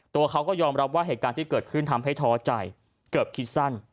ตัวเขาก็ยอมรับว่าเหตุการณ์ที่เกิดขึ้นทำให้ท้อใจเกือบคิดสั้น